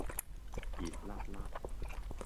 熱辣辣